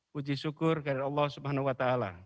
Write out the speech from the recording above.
puji syukur dari allah swt